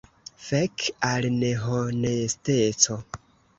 Fek al nehonesteco!